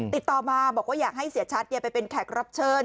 ติดต่อมาบอกว่าอยากให้เสียชัดไปเป็นแขกรับเชิญ